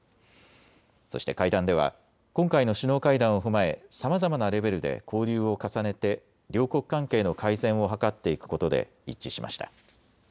そして会談では今回の首脳会談を踏まえさまざまなレベルで交流を重ねて両国関係の改善を図っていくことで一致しました。